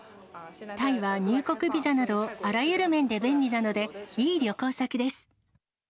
タイは入国ビザなど、あらゆる面で便利なので、いい旅行先です。